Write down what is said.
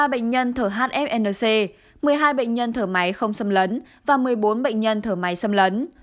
ba bệnh nhân thở hfnc một mươi hai bệnh nhân thở máy không xâm lấn và một mươi bốn bệnh nhân thở máy xâm lấn